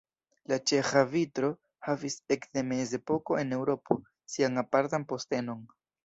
La ĉeĥa vitro havis ekde mezepoko en Eŭropo sian apartan postenon.